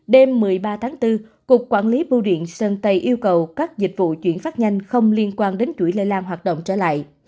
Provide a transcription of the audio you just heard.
đêm một mươi ba tháng bốn cục quản lý bưu điện sơn tây yêu cầu các dịch vụ chuyển phát nhanh không liên quan đến chuỗi lây lan hoạt động trở lại